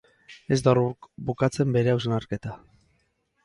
Ez da hor bukatzen bere hausnarketa.